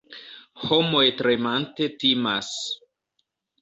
Homoj tremante timas.